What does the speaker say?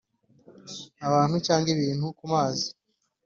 abantu cyangwa ibintu ku mazi